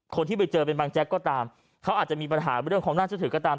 คนที่ไปเจอเป็นบางแจ๊กก็ตามเขาอาจจะมีปัญหาเรื่องของน่าเชื่อถือก็ตาม